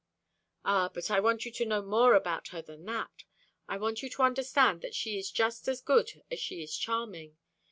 "Ah, but I want you to know more about her than that. I want you to understand that she is just as good as she is charming.